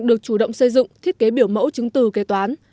được chủ động xây dựng thiết kế biểu mẫu chứng từ kế toán